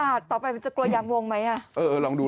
ต่อไปมันจะกลัวยางวงไหมอ่ะเออลองดู